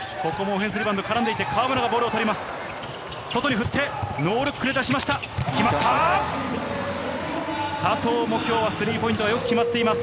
オフェンスリバウンド、絡んでいって河村がボールを取ります。